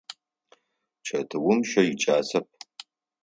Чэтыум щэ икӏасэп.